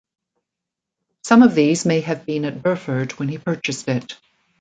Some of these may have been at Burford when he purchased it.